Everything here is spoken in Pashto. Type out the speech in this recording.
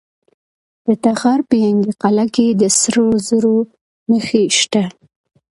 د تخار په ینګي قلعه کې د سرو زرو نښې شته.